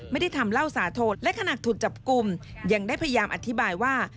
ไม่ได้ทำเล่าสาธนและขณะถูกจับกลุ่มยังได้พยายามอธิบายว่า